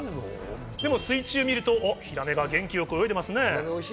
でも水中を見ると、ヒラメが元気よく泳いでいますね。